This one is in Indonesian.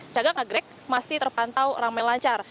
cagak nagrek masih terpantau rame lancar